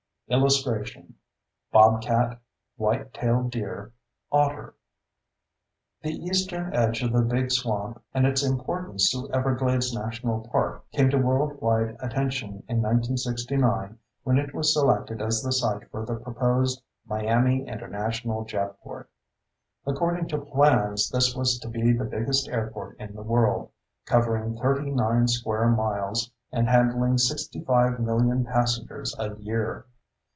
[Illustration: BOBCAT WHITE TAILED DEER OTTER] The eastern edge of the big swamp and its importance to Everglades National Park came to worldwide attention in 1969 when it was selected as the site for the proposed Miami International Jetport. According to plans, this was to be the biggest airport in the world, covering 39 square miles and handling 65 million passengers a year.